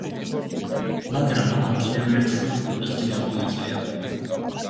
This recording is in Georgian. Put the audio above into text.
მაგრამ ამან კიდევ ერთხელ პროტესტი გამოიწვია.